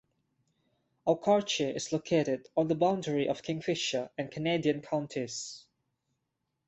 Okarche is located on the boundary of Kingfisher and Canadian counties.